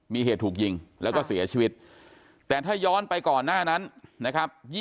มีเหตุถูกยิงแล้วก็เสียชีวิตแต่ถ้าย้อนไปก่อนหน้านั้นนะครับ